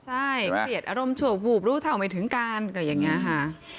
ใช่เกลียดอารมณ์ชั่ววูบรู้เท่าไม่ถึงการก็อย่างนี้ค่ะ